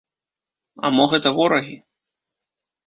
А мо гэта ворагі?